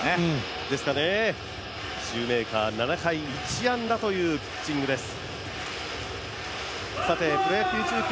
シューメーカー７回、１安打というピッチングです。